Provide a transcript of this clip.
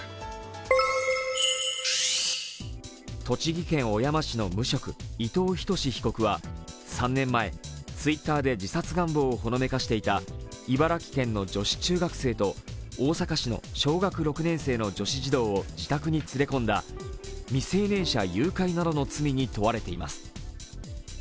栃木県小山市の無職、伊藤仁士被告は３年前、Ｔｗｉｔｔｅｒで自殺願望をほのめかしていた茨城県の女子中学生と大阪市の小学６年生の女子児童を自宅に連れ込んだ未成年誘拐などの罪に問われています。